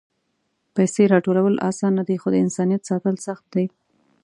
پېسې راټولول آسانه دي، خو د انسانیت ساتل سخت دي.